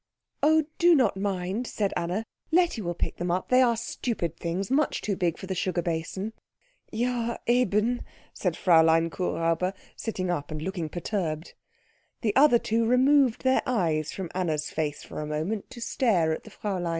"Oh, do not mind," said Anna, "Letty will pick them up. They are stupid things much too big for the sugar basin." "Ja, eben," said Fräulein Kuhräuber, sitting up and looking perturbed. The other two removed their eyes from Anna's face for a moment to stare at the Fräulein.